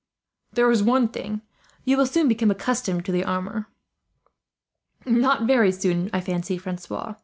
"There is one thing, you will soon become accustomed to the armour." "Not very soon, I fancy, Francois.